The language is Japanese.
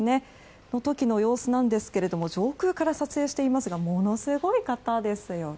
その時の様子なんですけども上空から撮影していますがものすごい人数ですよね。